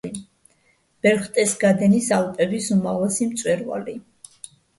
ბერხტესგადენის ალპების უმაღლესი მწვერვალი.